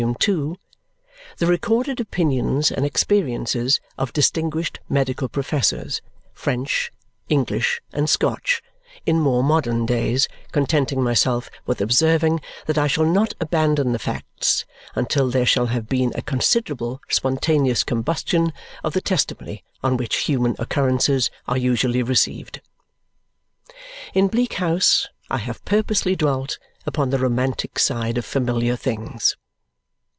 ii.,* the recorded opinions and experiences of distinguished medical professors, French, English, and Scotch, in more modern days, contenting myself with observing that I shall not abandon the facts until there shall have been a considerable spontaneous combustion of the testimony on which human occurrences are usually received. In Bleak House I have purposely dwelt upon the romantic side of familiar things.